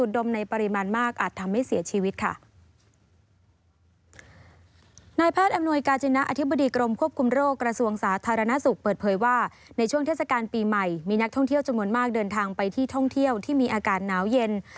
โดยว่าในช่วงเทศกาลปีใหม่มีนักท่องเที่ยวจมนต์มากเดินทางไปที่ท่องเที่ยวที่มีอากาศหนาวเย็น